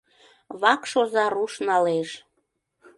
Вакш оза руш налеш.